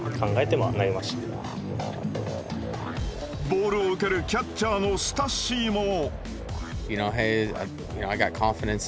ボールを受けるキャッチャーのスタッシーも。